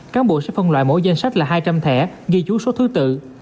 cán bộ sẽ phân loại mỗi danh sách là hai trăm linh thẻ ghi chú số thứ tự